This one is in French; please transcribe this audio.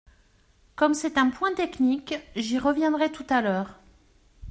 Comme c’est un point technique, j’y reviendrai tout à l’heure.